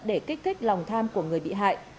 để kích thích lòng tham của người bị hại